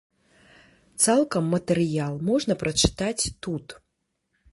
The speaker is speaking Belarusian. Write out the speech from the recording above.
Цалкам матэрыял можна прачытаць тут.